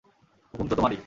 হুকুম তো তোমারই।